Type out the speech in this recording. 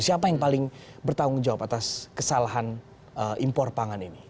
siapa yang paling bertanggung jawab atas kesalahan impor pangan ini